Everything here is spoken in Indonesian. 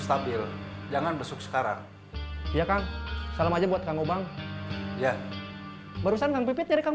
stabil jangan besok sekarang iya kang salam aja buat kang obang ya barusan kang pipit dari kang